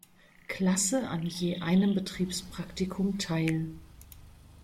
Klasse an je einem Betriebspraktikum teil.